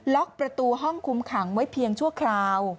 ล็อกประตูห้องคุมขังไว้เพียงชั่วคราว